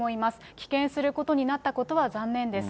棄権することになったことは残念です。